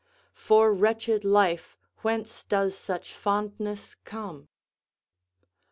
For wretched life whence does such fondness come?"